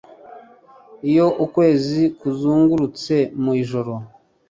iyo ukwezi kuzungurutse mu ijuru